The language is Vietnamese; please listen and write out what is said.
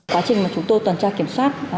quá trình mà chúng tôi toàn tra kiểm soát